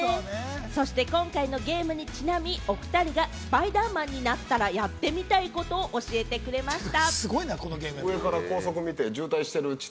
そして今回のゲームにちなみ、おふたりがスパイダーマンになったらやってみたいことを教えてくれました。